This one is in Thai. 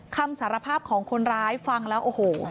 คำสารภาพของคนร้ายฟังแล้วโอ้โห